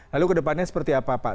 lalu ke depannya seperti apa pak